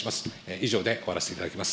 以上で終わらせていただきます。